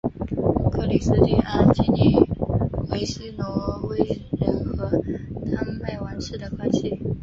克里斯蒂安尽力维系挪威人和丹麦王室的关系。